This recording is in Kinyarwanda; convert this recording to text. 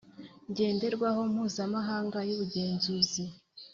Ngenderwaho mpuzamahanga y ubugenzuzi